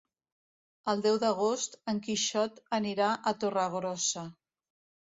El deu d'agost en Quixot anirà a Torregrossa.